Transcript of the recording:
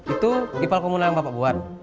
itu ipal komunal yang bapak buat